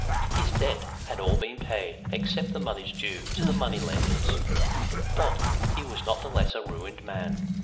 His debts had all been paid, except the money due to the money lenders. But he was not the less a ruined man.